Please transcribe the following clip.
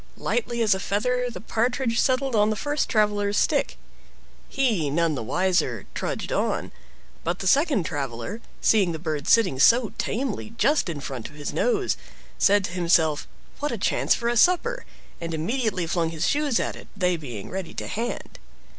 Lightly as a feather the Partridge settled on the first traveler's stick. He, none the wiser, trudged on, but the second traveler, seeing the bird sitting so tamely just in front of his nose, said to himself, "What a chance for a supper!" and immediately flung his shoes at it, they being ready to hand.